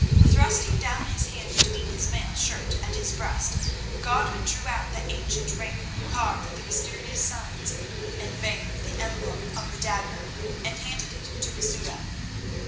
Thrusting down his hand between his mail shirt and his breast, Godwin drew out the ancient ring, carved with the mysterious signs and veined with the emblem of the dagger, and handed it to Masouda.